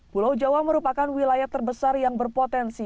pulau jawa merupakan wilayah terbesar yang berpotensi